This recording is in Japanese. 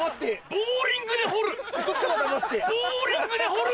ボーリングで掘る。